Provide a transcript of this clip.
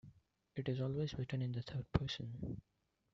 It is always written in the third person.